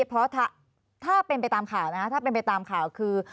เพราะถ้าเป็นไปตามข่าวนะคะถ้าเป็นไปตามข่าวคือ